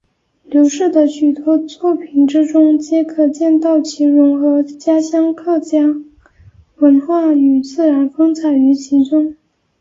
刘氏的许多作品之中皆可见到其融合家乡客家文化与自然风采于其中。